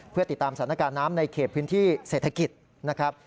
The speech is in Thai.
เพื่อติดตามสถานการณ์น้ำในเขตพื้นที่เศรษฐกิจนะครับ